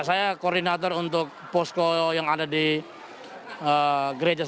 saya koordinator untuk posko yang ada di gereja